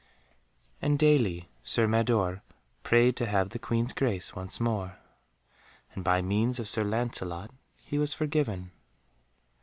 And daily Sir Mador prayed to have the Queen's grace once more, and by means of Sir Lancelot he was forgiven.